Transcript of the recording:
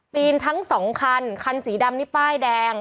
ปีนทั้งสองคันคันสีดำนี่ป้ายแดง